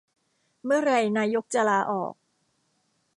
เมื่อไรนายกจะลาออก